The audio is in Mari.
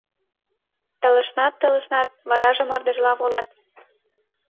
Талышнат, талышнат, вараже мардежла волат.